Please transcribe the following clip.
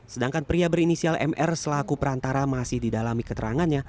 sedangkan pria berinisial mr selaku perantara masih didalami keterangannya